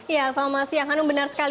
ya selama siang anu benar sekali